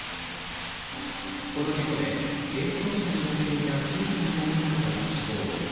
この事故で軽自動車に乗っていた９歳の女の子が死亡。